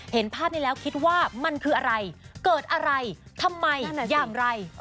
เห็นภาพนี้แล้วคิดว่ามันคืออะไรเกิดอะไรทำไมอย่างไร